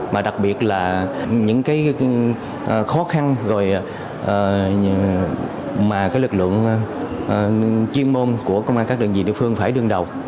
mà đặc biệt là những cái khó khăn rồi mà cái lực lượng chuyên môn của công an các đơn vị địa phương phải đương đầu